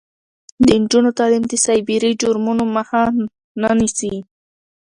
د نجونو تعلیم د سایبري جرمونو مخه نیسي.